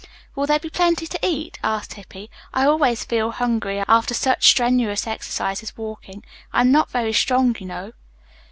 "Will there be plenty to eat?" asked Hippy. "I always feel hungry after such strenuous exercise as walking. I am not very strong, you know."